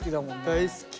大好き。